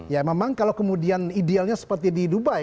ya memang kalau kemudian idealnya seperti di dubai